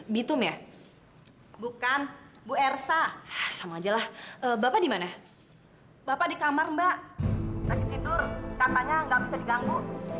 ditur katanya gak bisa diganggu